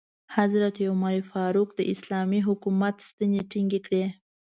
حضرت عمر فاروق د اسلامي حکومت ستنې ټینګې کړې.